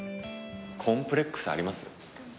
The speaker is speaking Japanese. コンプレックスあります？